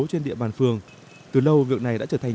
trên địa bàn phường từ lâu việc này đã trở thành